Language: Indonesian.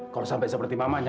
kalau sampai seperti mamanya